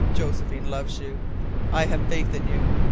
Josephine loves you. I have faith in you.